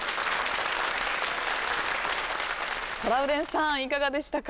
トラウデンさんいかがでしたか？